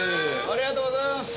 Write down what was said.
ありがとうございます。